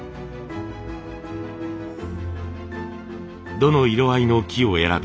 どの色合いの木を選び